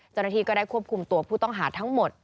เจ้าหน้าที่ก็ได้ควบคุมตัวผู้ต้องหาทั้งหมด